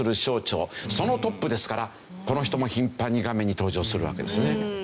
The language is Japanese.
そのトップですからこの人も頻繁に画面に登場するわけですね。